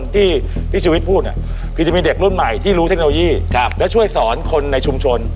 ที่พี่ชีวิตพูดคือจะมีเด็กรุ่นใหม่ที่รู้เทคโนโลยีและช่วยสอนคนในชุมชน